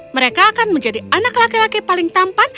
mereka akan menjadi anak laki laki paling tampan